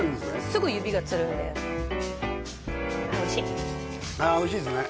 すぐ指がつるんでああおいしいあおいしいですね